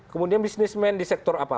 kemudian bisnismen di sektor apa